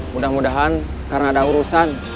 mudah mudahan karena ada urusan